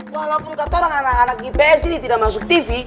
walaupun katorang anak anak gps ini tidak masuk tv